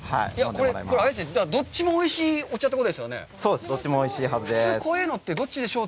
これ、どっちもおいしいお茶ってことですよね？